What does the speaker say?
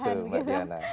kayaknya begitu mbak diana